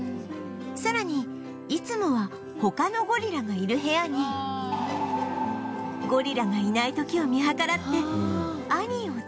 さらにいつもは他のゴリラがいる部屋にゴリラがいない時を見計らってアニーを連れて入り